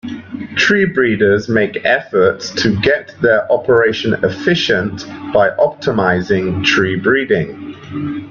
Tree breeders make efforts to get their operation efficient by optimising tree breeding.